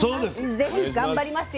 ぜひ頑張りますよ。